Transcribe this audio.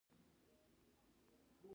هغې د لمر تر سیوري لاندې د مینې کتاب ولوست.